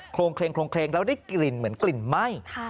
ลงแล้วได้กลิ่นเหมือนกลิ่นไหม้